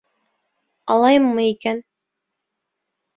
Алайыммы икән?